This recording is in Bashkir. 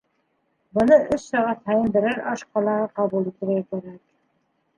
Быны өс сәғәт һайын берәр аш ҡалағы ҡабул итергә кәрәк